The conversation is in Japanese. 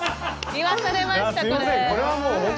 言わされました。